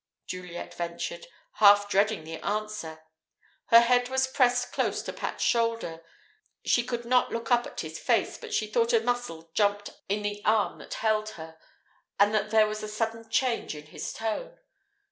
Juliet ventured, half dreading the answer. Her head was pressed close to Pat's shoulder. She could not look up at his face, but she thought a muscle jumped in the arm that held her, and that there was a sudden change in his tone.